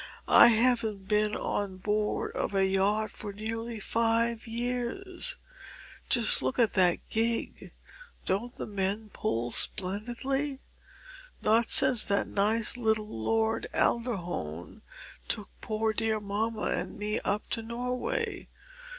I haven't been on board a yacht for nearly five years (just look at the gig: don't the men pull splendidly?) not since that nice little Lord Alderhone took poor dear mamma and me up to Norway.